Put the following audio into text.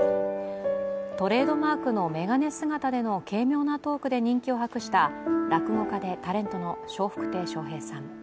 トレードマークの眼鏡姿での軽妙なトークで人気を博した、落語家でタレントの笑福亭笑瓶さん。